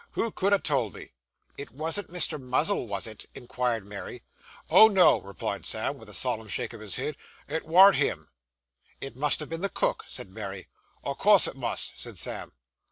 Who could ha' told me?' 'It wasn't Mr. Muzzle, was it?' inquired Mary. 'Oh, no.' replied Sam, with a solemn shake of the head, 'it warn't him.' 'It must have been the cook,' said Mary. 'O' course it must,' said Sam.